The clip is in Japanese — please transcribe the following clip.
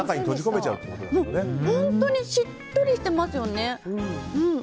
本当にしっとりしていますよね。